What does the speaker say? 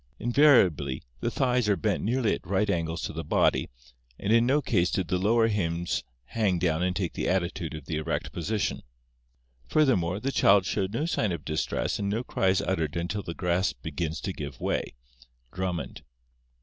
Invariably the thighs are bent nearly at right angles to the body, and in no case did the lower limbs hang down and take the attitude of the erect position. Furthermore, the child shows no sign of distress and no cry is uttered until the grasp begins to give way" (Drummond).